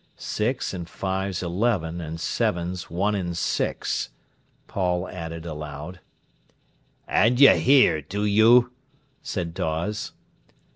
"Six and five's eleven and seven's one and six," Paul added aloud. "An' you hear, do you!" said Dawes.